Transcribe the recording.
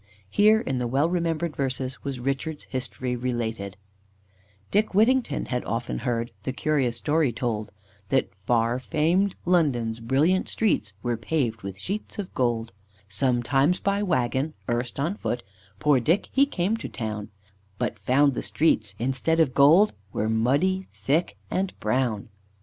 Here, in the well remembered verses, was Richard's history related: "Dick Whittington had often heard The curious story told That far fam'd London's brilliant streets Were paved with sheets of gold; Sometimes by waggon, erst on foot, Poor Dick he came to town, But found the streets, instead of gold, Were muddy, thick, and brown."